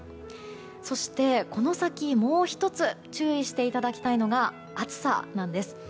そしてこの先、もう１つ注意していただきたいのが暑さなんです。